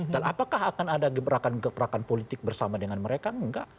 dan apakah akan ada gebrakan gebrakan politik bersama dengan mereka enggak